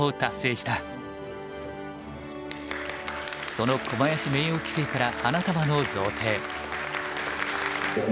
その小林名誉棋聖から花束の贈呈。